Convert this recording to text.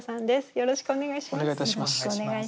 よろしくお願いします。